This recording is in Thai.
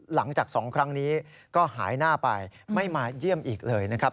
หลังจาก๒ครั้งนี้ก็หายหน้าไปไม่มาเยี่ยมอีกเลยนะครับ